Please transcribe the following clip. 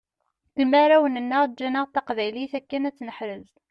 Imarawen-nneɣ ǧǧanaɣ-d taqbaylit akken ad tt-neḥrez.